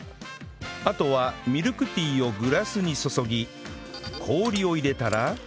あとはミルクティーをグラスに注ぎ氷を入れたら